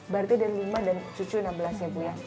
berarti dari lima dan cucu enam belas ya bu ya